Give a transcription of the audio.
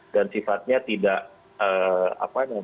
dan sifatnya tidak apa namanya